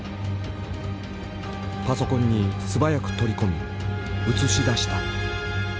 パソコンに素早く取り込み映し出した。